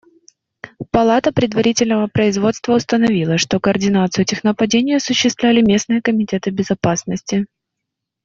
Палата предварительного производства установила, что координацию этих нападений осуществляли местные комитеты безопасности.